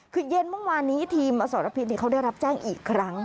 คือเย็นเมื่อวานนี้ทีมอสรพิษเขาได้รับแจ้งอีกครั้ง